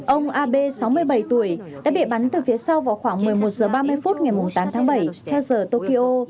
ông abe sáu mươi bảy tuổi đã bị bắn từ phía sau vào khoảng một mươi một h ba mươi phút ngày tám tháng bảy theo giờ tokyo